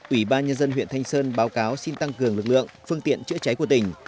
ủy ban nhân dân huyện thanh sơn báo cáo xin tăng cường lực lượng phương tiện chữa cháy của tỉnh